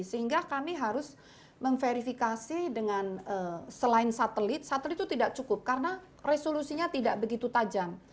sehingga kami harus memverifikasi dengan selain satelit satelit itu tidak cukup karena resolusinya tidak begitu tajam